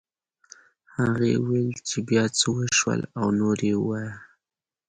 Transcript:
هغې وویل چې بيا څه وشول او نور یې ووایه